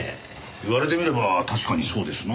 言われてみれば確かにそうですな。